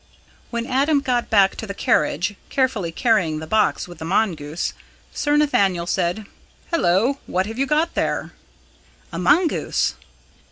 When Adam got back to the carriage, carefully carrying the box with the mongoose, Sir Nathaniel said: "Hullo! what have you got there?" "A mongoose."